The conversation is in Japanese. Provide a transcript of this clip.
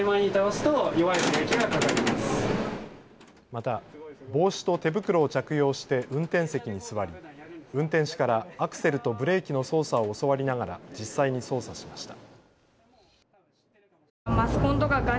また帽子と手袋を着用して運転席に座り、運転士からアクセルとブレーキの操作を教わりながら実際に操作しました。